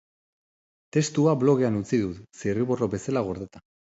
Testua blogean utzi dut, zirriborro bezala gordeta.